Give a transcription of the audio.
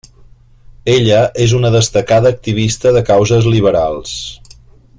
Ella és una destacada activista de causes lliberals.